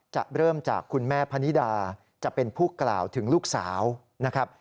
จะเริ่มจากคุณแม่พนิดาจะเป็นผู้กล่าวถึงลูกสาวนะครับ